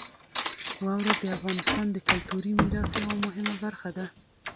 واوره د افغانستان د کلتوري میراث یوه مهمه برخه ده.